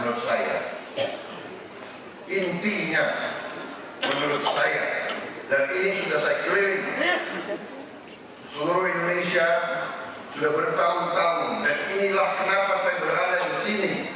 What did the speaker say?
menurut saya intinya menurut saya dan ini sudah saya klaim seluruh indonesia sudah bertahun tahun dan inilah kenapa saya berada di sini